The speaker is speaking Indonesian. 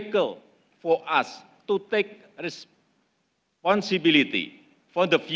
akan sulit bagi kita untuk mempertimbangkan kepentingan